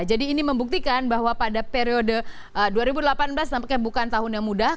jadi ini membuktikan bahwa pada periode dua ribu delapan belas tampaknya bukan tahun yang mudah